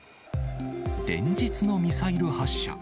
連日のミサイル発射。